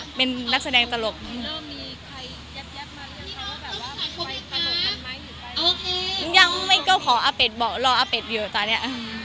ที่รออยู่ในด้านที่เราเสนอไป